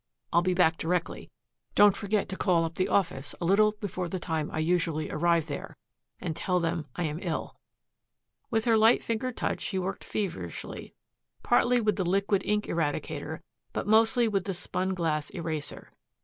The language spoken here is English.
I'll be back directly. Don't forget to call up the office a little before the time I usually arrive there and tell them I am ill." With her light fingered touch she worked feverishly, partly with the liquid ink eradicator, but mostly with the spun glass eraser.